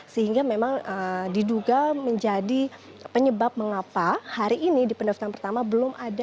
sehingga memang diduga menjadi penyebab mengapa hari ini di pendaftaran pertama belum ada